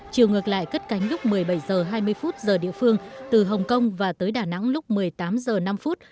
chiều ngược lại cất cánh lúc một mươi bảy h hai mươi giờ địa phương từ hồng kông và tới đà nẵng lúc một mươi tám h năm